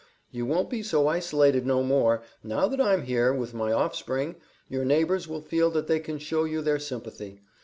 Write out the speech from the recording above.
"You won't be so isolated no more. Now that I'm here, with my offspring, your neighbors will feel that they can show you their sympathy.